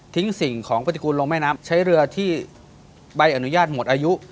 สิ่งของปฏิกูลลงแม่น้ำใช้เรือที่ใบอนุญาตหมดอายุ